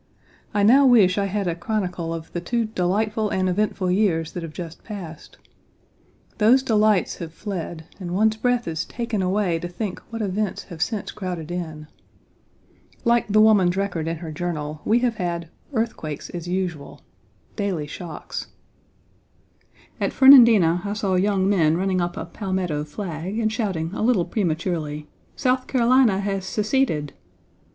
I now wish I had a chronicle of the two delightful and eventful years that have just passed. Those delights have fled and one's breath is taken away to think what events have since crowded in. Like the woman's record in her journal, we have had "earthquakes, as usual" daily shocks. 1. A reference to John Brown of Harper's Ferry. Page 2 At Fernandina I saw young men running up a Palmetto flag, and shouting a little prematurely, "South Carolina has seceded!"